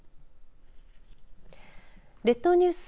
列島ニュース